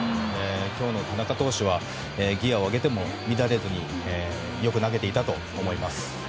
今日の田中投手はギアを上げても乱れずによく投げていたと思います。